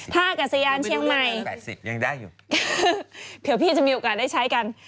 ถ้ากัสยานเชียงใหม่เดี๋ยวพี่จะมีโอกาสได้ใช้กัน